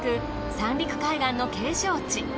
三陸海岸の景勝地。